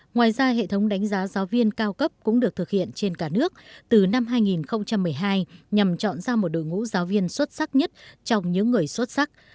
ngoài ra hệ thống đánh giá giáo viên cao cấp cũng được thực hiện trên cả nước từ năm hai nghìn một mươi hai nhằm chọn ra một đội ngũ giáo viên xuất sắc nhất trong những người xuất sắc